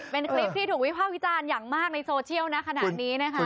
เป็นคลิปที่ถูกวิภาควิจารณ์อย่างมากในโซเชียลนะขนาดนี้นะคะ